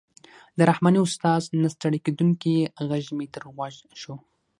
د رحماني استاد نه ستړی کېدونکی غږ مې تر غوږ شو.